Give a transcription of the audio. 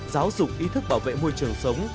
giáo dục ý thức bảo vệ môi trường sống